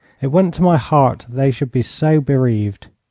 It went to my heart that they should be so bereaved.